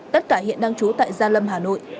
tất cả hiện đang trú tại gia lâm hà nội